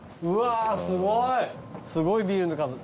うわすごい数。